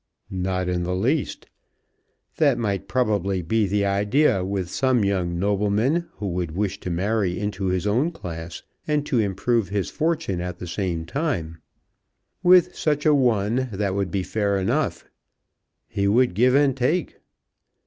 "Not in the least. That might probably be the idea with some young nobleman who would wish to marry into his own class, and to improve his fortune at the same time. With such a one that would be fair enough. He would give and take.